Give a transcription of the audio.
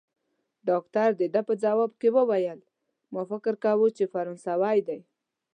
ډاکټر د ده په ځواب کې وویل: ما فکر کاوه، چي فرانسوی دی.